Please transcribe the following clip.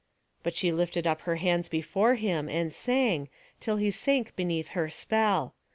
But she lifted up her hands before him, and sang, till he sank beneath her spell.